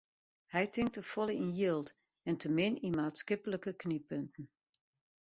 Hy tinkt te folle yn jild en te min yn maatskiplike knyppunten.